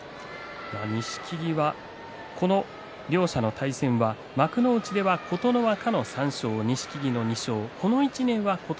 錦木はこの両者の対戦は幕内では琴ノ若の３勝錦木の２勝。